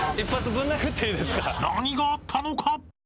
何があったのか？